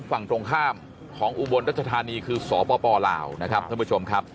ฝั่งตรงข้ามของอุบลรัชธานีคือสปลาวนะครับท่านผู้ชมครับ